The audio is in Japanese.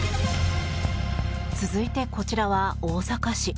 続いて、こちらは大阪市。